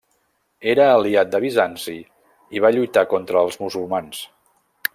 Era aliat de Bizanci i va lluitar contra els musulmans.